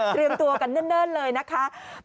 เตรียมตัวกันเนิ่นเลยนะคะ